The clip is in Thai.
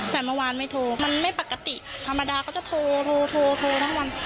แต่เมื่อวานไม่โทรมันไม่ปกติธรรมดาเขาจะโทรโทรทั้งวัน